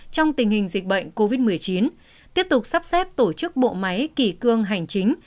trong tình hình dịch bệnh covid một mươi chín tiếp tục sắp xếp tổ chức bộ máy kỷ cương hành chính